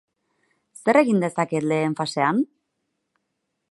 Zer egin dezaket lehen fasean?